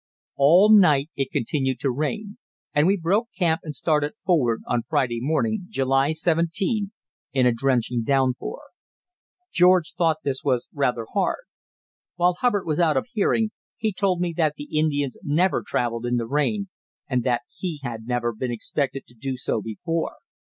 All night it continued to rain, and we broke camp and started forward on Friday morning, July 17, in a drenching downpour. George thought this was rather hard. While Hubbard was out of hearing, he told me that the Indians never travelled in the rain, and that he had never been expected to do so before.